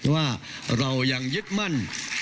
ว่าเรายังยึดมั่น